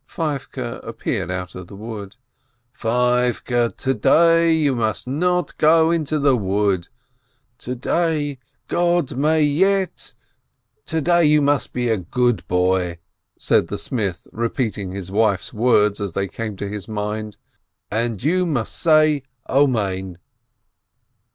Feivke appeared out of the wood. "Feivke, to day you mustn't go into the wood. To day God may yet — to day you must be a good boy," said the smith, repeating his wife's words as they came to his mind, "and you must say Amen."